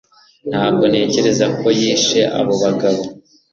Ntabwo ntekereza ko yishe abo bagabo